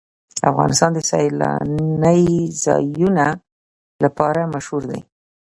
افغانستان د سیلانی ځایونه لپاره مشهور دی.